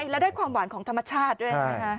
แล้วได้ความหวานของธรรมชาติด้วยนะคะ